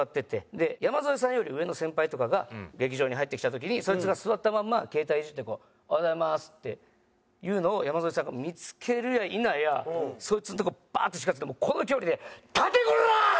で山添さんより上の先輩とかが劇場に入ってきた時にそいつが座ったまんま携帯いじってこう「おはようございます」って言うのを山添さんが見付けるやいなやそいつのとこバーッて近付いてもうこの距離で「立てコラ！」って劇場で。